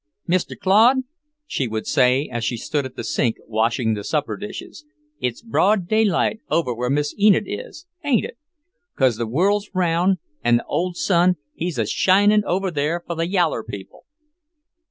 "Mr. Claude," she would say as she stood at the sink washing the supper dishes, "it's broad daylight over where Miss Enid is, ain't it? Cause the world's round, an' the old sun, he's a shinin' over there for the yaller people."